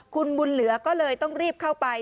คุณบุญเหลือก็เลยต้องรีบเข้าไป